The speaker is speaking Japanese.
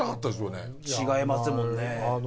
違いますもんね。